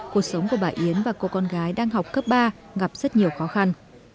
cuộc sống của bà yến và cô con gái đang học cấp ba gặp rất nhiều khó khăn